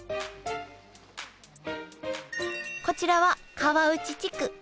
こちらは川内地区。